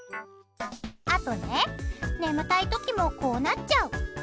あとね眠たい時もこうなっちゃう。